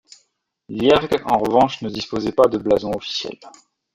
Liergues, en revanche, ne disposait pas de blason officiel.